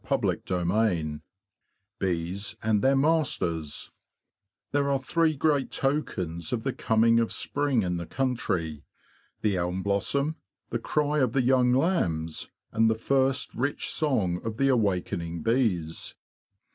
CHAPTER XVI BEES AND THEIR MASTERS "THERE are three great tokens of the coming of spring in the country—the elm blossom, the cry of the young lambs, and the first rich song of the awakening bees.